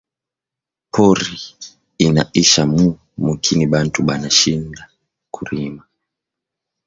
Pori ina isha mu mukini bantu bana shinda ku rima